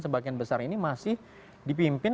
sebagian besar ini masih dipimpin